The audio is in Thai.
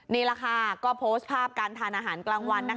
นี่แหละค่ะก็โพสต์ภาพการทานอาหารกลางวัน